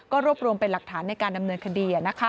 รวบรวมเป็นหลักฐานในการดำเนินคดี